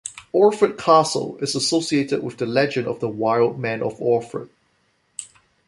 Orford Castle is associated with the legend of the Wild Man of Orford.